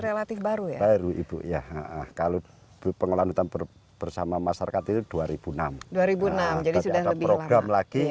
relatif baru baru ibu ya kalau pengelolaan hutan bersama masyarakat itu dua ribu enam dari ada program lagi